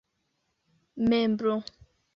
membro